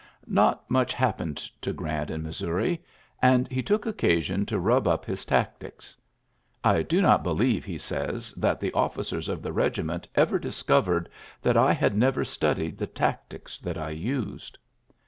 Kot much happened to Grant in Mis souri ; and he took occasion to rub up his tactics. "I do not believe, '^ he says, ^Hhat the officers of the regiment ever discovered that I had never studied the tactics that I used."